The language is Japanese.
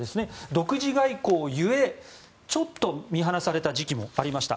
独自外交が故ちょっと見放された時期もありました。